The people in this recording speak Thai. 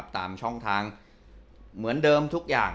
ตามช่องทางเหมือนเดิมทุกอย่าง